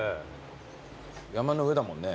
山の上だもんね。